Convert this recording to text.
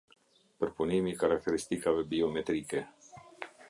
Përpunimi i karakteristikave biometrike.